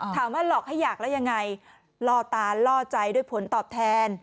หลอกให้อยากแล้วยังไงล่อตาล่อใจด้วยผลตอบแทน